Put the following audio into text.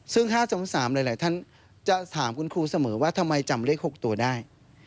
ซึ่ง๕๒๓หลายท่านจะถามคุณครูเสมอว่าทำไมจำเลข๖ตัวได้